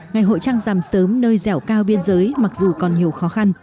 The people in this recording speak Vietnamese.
ngày hội trang giảm sớm nơi dẻo cao biên giới mặc dù còn nhiều khó khăn